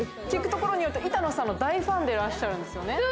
聞くところによると、板野さんの大ファンでいらっしゃるんですよね？